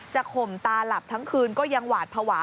ข่มตาหลับทั้งคืนก็ยังหวาดภาวะ